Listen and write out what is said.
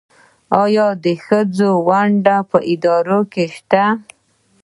آیا د ښځو ونډه په اداره کې شته؟